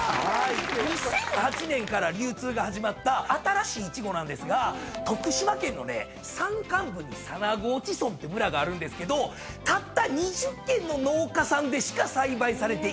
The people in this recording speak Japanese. ２００８年から流通が始まった新しいイチゴなんですが徳島県のね山間部に佐那河内村って村があるんですけどたった２０軒の農家さんでしか栽培されていない